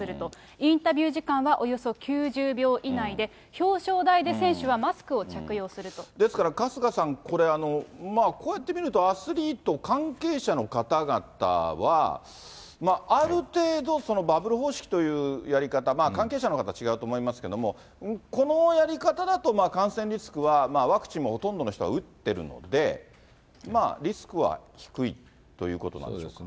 インタビュー時間はおよそ９０秒以内で、表彰台で選手はマスクをですから春日さん、これ、まあこうやって見るとアスリート、関係者の方々は、ある程度、バブル方式というやり方、関係者の方、違うと思いますけれども、このやり方だと感染リスクはワクチンもほとんどの人が打ってるので、まあ、リスクは低いということなんでしょうか。